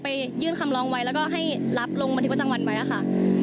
ยื่นคำร้องไว้แล้วก็ให้รับลงบันทึกประจำวันไว้ค่ะ